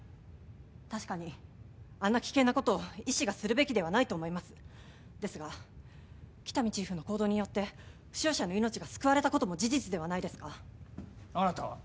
確かにあんな危険なことを医師がするべきではないと思いますですが喜多見チーフの行動によって負傷者の命が救われたことも事実ではないですかあなたは？